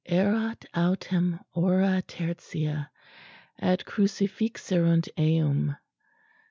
"'_Erat autem hora tertia: et crucifixerunt eum.